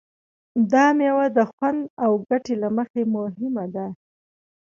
دا مېوه د خوند او ګټې له مخې مهمه ده.